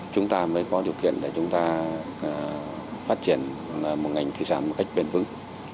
chúng ta mới có điều kiện để chúng ta phát triển một ngành thủy sản một cách bền vững